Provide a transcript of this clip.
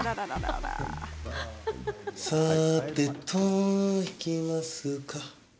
さてと、行きますか。